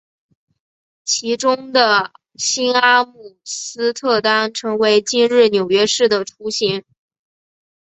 其中的新阿姆斯特丹成为今日纽约市的雏形。